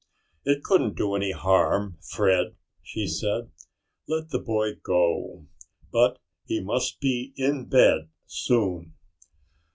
"It couldn't do any harm, Fred," she said. "Let the boy go. But he must be in bed soon."